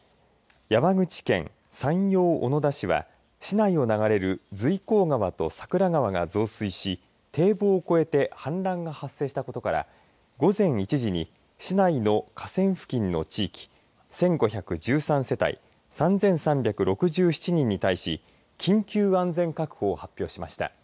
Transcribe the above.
山口県山陽小野田市は市内を流れる隋光川とさくら川が増水し堤防を越えて氾濫が発生したことから午前１時に市内の河川付近の地域１５１３世帯３３６７人に対し緊急安全確保を発表しました。